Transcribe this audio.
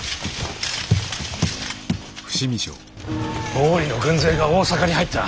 毛利の軍勢が大坂に入った？